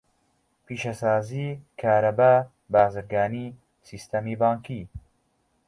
پیشەسازی، کارەبا، بازرگانی، سیستەمی بانکی.